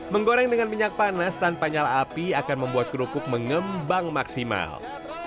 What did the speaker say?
menggoreng dengan minyak panas tanpa nyala api akan membuat kerupuk mengembang maksimal